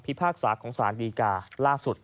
พากษาของสารดีกาล่าสุด